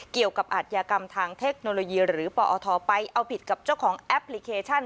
เกี่ยวกับอัธยกรรมทางเทคโนโลยีหรือปอไปเอาผิดกับเจ้าของแอปพลิเคชัน